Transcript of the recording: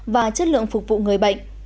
và chất lượng phục vụ người bệnh